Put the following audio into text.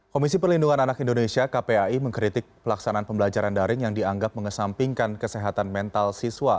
komisi perlindungan anak indonesia kpai mengkritik pelaksanaan pembelajaran daring yang dianggap mengesampingkan kesehatan mental siswa